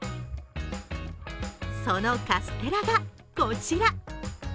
そのカステラがこちら。